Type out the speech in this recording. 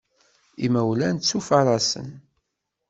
Imawlan ttufaṛasen.